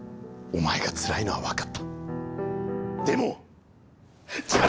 お前がつらいのは分かった。